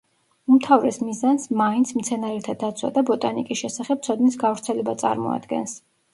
უმთავრეს მიზანს მაინც, მცენარეთა დაცვა და ბოტანიკის შესახებ ცოდნის გავრცელება წარმოადგენს.